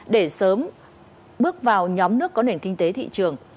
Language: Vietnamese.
để sớm bước vào nhóm nước có nền kinh tế thị trường